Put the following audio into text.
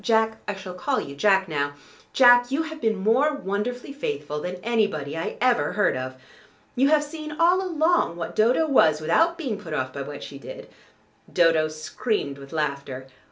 Jack I shall call you Jack now Jack, you have been more wonderfully faithful than anybody I ever heard of. You have seen all along what Dodo was, without being put off by what she did " Dodo screamed with laughter.